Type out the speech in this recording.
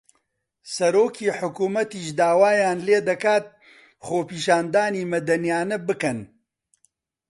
سەرۆکی حکوومەتیش داوایان لێ دەکات خۆپیشاندانی مەدەنییانە بکەن